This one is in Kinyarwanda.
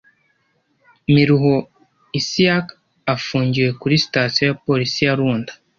Miruho Isiaka afungiwe kuri Sitasiyo ya Polisi ya Runda